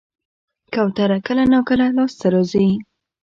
کوتره کله ناکله لاس ته راځي.